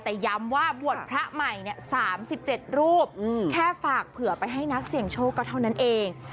แต่ย้ำว่าบวชพระใหม่๓๗รูปแค่ฝากเผื่อไปให้นักเสี่ยงโชคก็เท่านั้นเอง